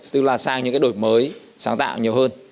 tức là sang những cái đổi mới sáng tạo nhiều hơn